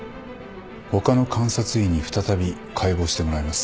他の監察医に再び解剖してもらいます。